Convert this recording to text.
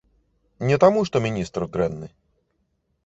Не таму, што міністр дрэнны.